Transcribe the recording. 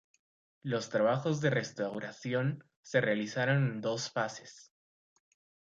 Los trabajos de restauración se realizaron en dos fases.